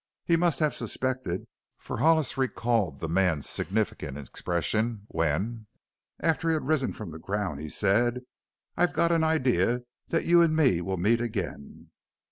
He must have suspected, for Hollis recalled the man's significant expression when, after he had risen from the ground he said: "I've got an idea that you an' me will meet again."